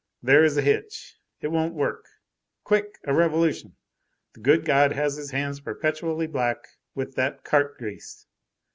There is a hitch, it won't work. Quick, a revolution! The good God has his hands perpetually black with that cart grease.